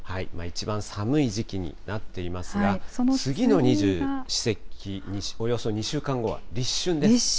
一番寒い時期になっていますが、次の二十四節気、およそ２週間後が立春です。